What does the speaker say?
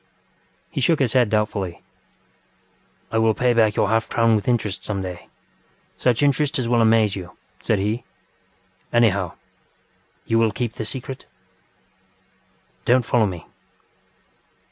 He shook his head doubtfully. ŌĆ£I will pay back your half crown with interest some dayŌĆösuch interest as will amaze you, ŌĆØ said he. ŌĆ£Anyhow, you will keep the secret? .... DonŌĆÖt follow me.